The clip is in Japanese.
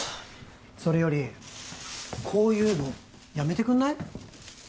それよりこういうのやめてくんない？